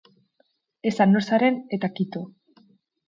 Esan nor zaren eta kito.